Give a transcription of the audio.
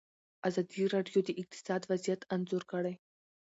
ازادي راډیو د اقتصاد وضعیت انځور کړی.